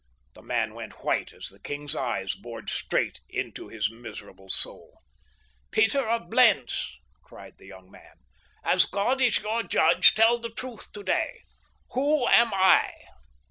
The man went white as the king's eyes bored straight into his miserable soul. "Peter of Blentz," cried the young man, "as God is your judge, tell the truth today. Who am I?"